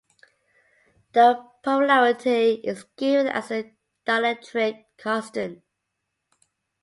The polarity is given as the dielectric constant.